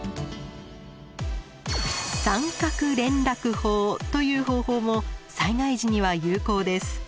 三角連絡法という方法も災害時には有効です。